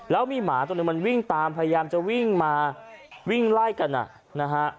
แล้วมีหมาตัวหนึ่งมันวิ่งตามพยายามจะวิ่งมาวิ่งไล่กันอ่ะนะฮะ